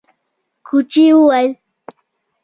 کوچي وويل: